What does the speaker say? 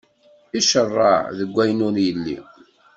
Iceṛṛeɛ deg wayen ur yelli.